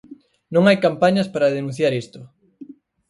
Non hai campañas para denunciar isto.